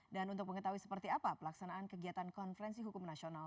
dan untuk mengetahui seperti apa pelaksanaan kegiatan konferensi hukum nasional